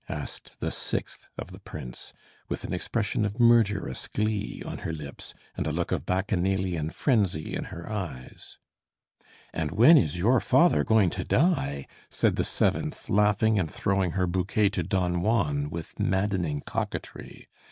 asked the sixth of the prince, with an expression of murderous glee on her lips and a look of Bacchanalian frenzy in her eyes. "And when is your father going to die?" said the seventh, laughing and throwing her bouquet to Don Juan with maddening coquetry.